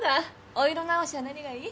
お色直しは何がいい？